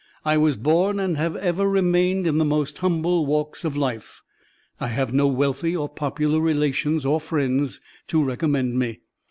I was born, and have ever remained in the most humble walks of life. I have no wealthy or popular relations or friends to recommend me.